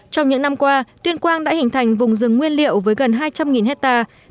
trong những năm qua tuyên quang đã hình thành vùng rừng nguyên liệu với gần hai trăm linh hectare